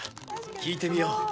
聞いてみよう」